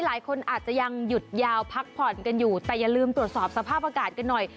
หลายคนอาจจะยังหยุดยาวพักผ่อนกันอยู่แต่อย่าลืมตรวจสอบสภาพอากาศกันหน่อย